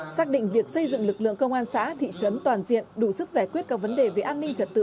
xác định việc xây dựng lực lượng công an xã thị trấn toàn diện đủ sức giải quyết các vấn đề về an ninh trật tự